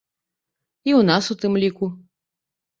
І ў нас у тым ліку.